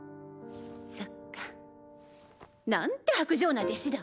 そっか。なんて薄情な弟子だ！